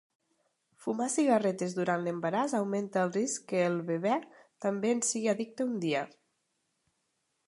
Fumar cigarretes durant l'embaràs augmenta el risc que el bebè també en sigui addicte un dia.